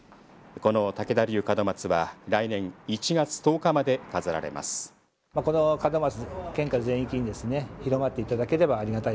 この武田流門松は来年１月１０日まで飾られます。